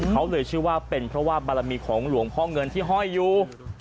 เขาเลยเชื่อว่าเป็นเพราะว่าบารมีของหลวงพ่อเงินที่ห้อยอยู่